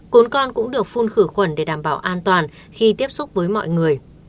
côn con cũng được phun khử khuẩn để đảm bảo an toàn khi tiếp xúc với mọi người